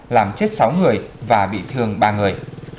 làm chết sáu người và bị thương ba người